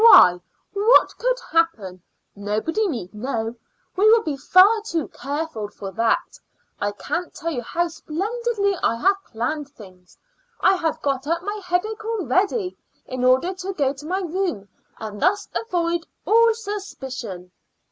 "Why, what could happen? Nobody need know; we will be far too careful for that. I can't tell you how splendidly I have planned things. I have got up my headache already, in order to go to my room and thus avoid all suspicion."